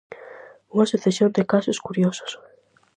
Unha sucesión de casos curiosos.